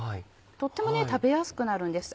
とっても食べやすくなるんです。